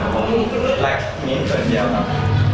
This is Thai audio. ผมแบบนี้เฉินเดียวครับ